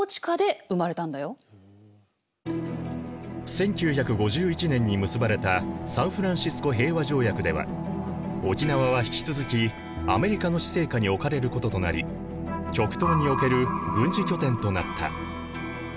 １９５１年に結ばれたサンフランシスコ平和条約では沖縄は引き続きアメリカの施政下に置かれることとなり極東における軍事拠点となった。